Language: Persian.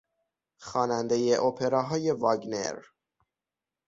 خوانندهی اپراهای واگنر